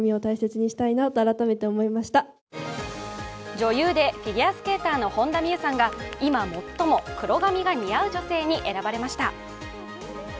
女優でフィギュアスケーターの本田望結さんか今、もっとも黒髪が似合う女性に選ばれました。